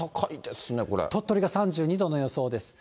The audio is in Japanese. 鳥取が３２度の予想です。